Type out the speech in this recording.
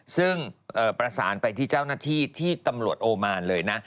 ซึ่งประสานไปที่เจ้าหน้าที่ที่ตำรวจโอมานเลยนะ